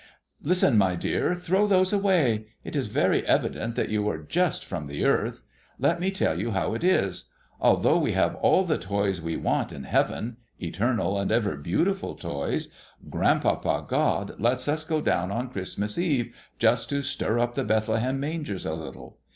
"Listen, my dear, throw those away. It is very evident that you are just from the earth. Let me tell you how it is. Although we have all the toys we want in heaven, eternal and ever beautiful toys, Grandpapa God lets us go down on Christmas Eve just to stir up the Bethlehem mangers a little.